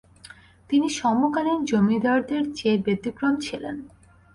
তিনি সমকালীন জমিদারদের চেয়ে ব্যতিক্রম ছিলেন।